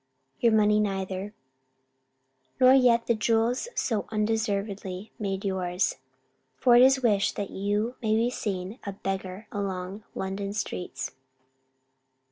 Your money neither. Nor yet the jewels so undeservedly made yours. For it is wished you may be seen a beggar along London streets.